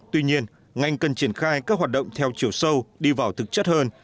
tuy nhiên ngành cần triển khai các hoạt động theo chiều sâu đi vào thực chất hơn